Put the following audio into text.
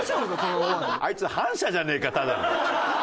あいつ反社じゃねえかただの。